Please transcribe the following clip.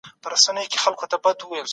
زه به په راتلونکي کې خپل فعالیت زیات کړم.